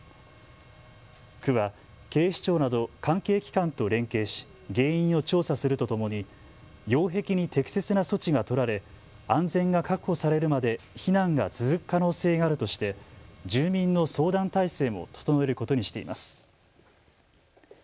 区は警視庁など関係機関と連携し原因を調査するとともに擁壁に適切な措置が取られ安全が確保されるまで避難が続く可能性があるとして住民の相談態勢も整えることにしています。